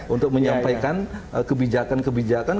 untuk menyampaikan kebijakan kebijakan